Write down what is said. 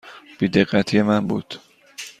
بی دقتی من بود.